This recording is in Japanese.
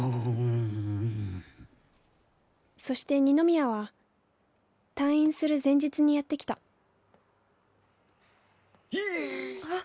そして二宮は退院する前日にやって来たいいっ！